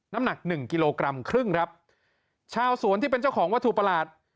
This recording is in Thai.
น้ำหนักหนึ่งกิโลกรัมครึ่งครับชาวสวนที่เป็นเจ้าของวัตถุประหลาด